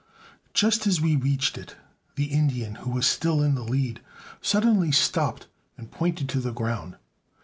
Just as we reached it, the Indian, who was still in the lead, suddenly stopped and pointed to the ground.